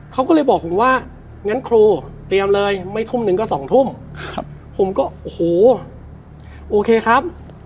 เขาก็เลยบอกผมว่างั้นครูเตรียมเลยไม่ทุ่ม๑ก็๒ทุ่มผมก็โอเคครับ